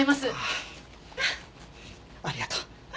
ああありがとう。